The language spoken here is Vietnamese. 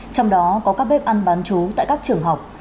trong đó có các bếp ăn bán chú tại các trường học